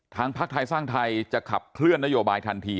พักไทยสร้างไทยจะขับเคลื่อนนโยบายทันที